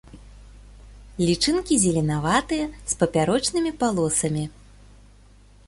Лічынкі зеленаватыя, з папярочнымі палосамі.